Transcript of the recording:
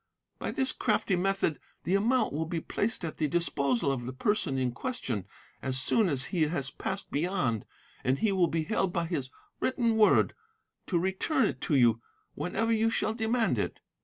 By this crafty method the amount will be placed at the disposal of the person in question as soon as he has passed beyond, and he will be held by his written word to return it to you whenever you shall demand it.